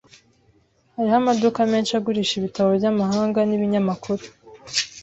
Hariho amaduka menshi agurisha ibitabo byamahanga nibinyamakuru.